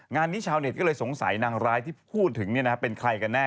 งานนี้ชาวเน็ตก็เลยสงสัยนางร้ายที่พูดถึงเป็นใครกันแน่